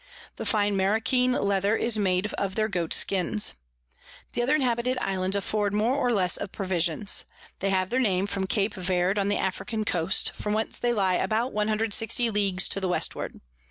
The fine Marroquin Leather is made of their Goats Skins. The other inhabited Islands afford more or less of Provisions. They have their Name from Cape Verd on the African Coast, from whence they lie about 160 Leagues to the Westward.